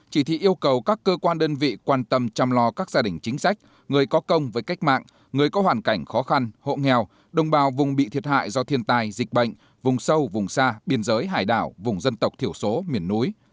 chỉ thị yêu cầu các cơ quan đơn vị quan tâm chăm lo các gia đình chính sách người có công với cách mạng người có hoàn cảnh khó khăn hộ nghèo đồng bào vùng bị thiệt hại do thiên tai dịch bệnh vùng sâu vùng xa biên giới hải đảo vùng dân tộc thiểu số miền núi